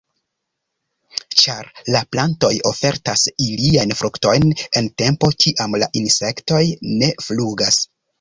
Ĉar la plantoj ofertas iliajn fruktoj en tempo kiam la insektoj ne flugas.